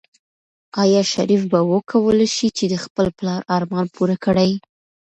آیا شریف به وکولی شي چې د خپل پلار ارمان پوره کړي؟